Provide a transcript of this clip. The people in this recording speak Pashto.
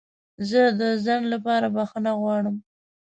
زه د ځنډ لپاره بخښنه غواړم.